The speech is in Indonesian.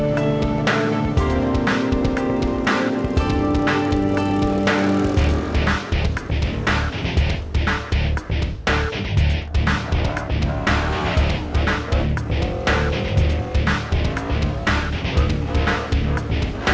semoga gak kena kenapa deh